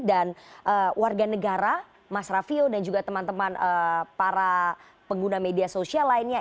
dan warga negara mas raffio dan juga teman teman para pengguna media sosial lainnya